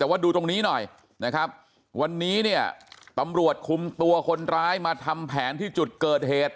แต่ว่าดูตรงนี้หน่อยนะครับวันนี้เนี่ยตำรวจคุมตัวคนร้ายมาทำแผนที่จุดเกิดเหตุ